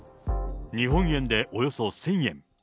日本円でおよそ１０００円。